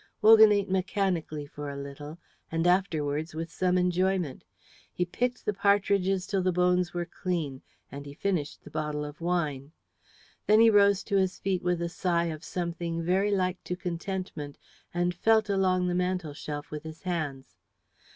Wogan ate mechanically for a little and afterwards with some enjoyment. He picked the partridges till the bones were clean, and he finished the bottle of wine. Then he rose to his feet with a sigh of something very like to contentment and felt along the mantel shelf with his hands.